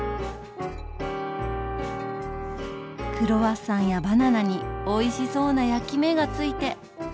クロワッサンやバナナにおいしそうな焼き目が付いて。